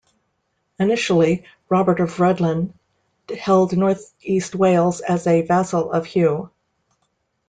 Initially Robert of Rhuddlan held north-east Wales as a vassal of Hugh.